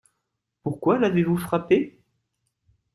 Pourquoi l’avez-vous frappé ?